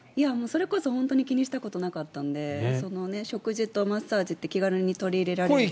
それこそ本当に気にしたことなかったので食事とマッサージって気軽に取り入れられる。